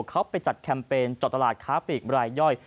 เขาไปจัดแคมเปญจอดตลาดค้าปีกรายย่อย